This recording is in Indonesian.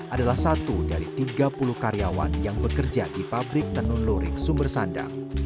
adalah satu dari tiga puluh karyawan yang bekerja di pabrik tenun luring sumber sandang